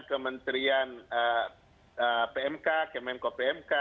kementerian pmk kemenko pmk